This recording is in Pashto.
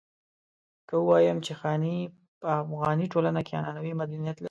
که ووايم چې خاني په افغاني ټولنه کې عنعنوي مدنيت لري.